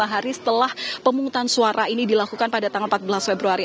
lima hari setelah pemungutan suara ini dilakukan pada tanggal empat belas februari